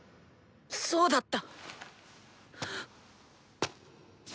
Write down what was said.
そうだった！